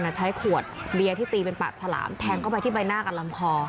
ใช้ขวดเบียร์ที่ตีเป็นปากฉลามแทงเข้าไปที่ใบหน้ากับลำคอ